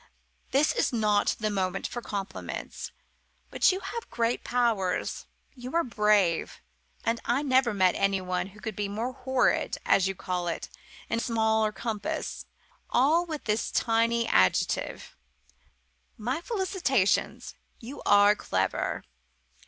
"This is not the moment for compliments but you have great powers. You are brave, and I never met anyone who could be more 'horrid,' as you call it, in smaller compass, all with one little tiny adjective. My felicitations. You are clever.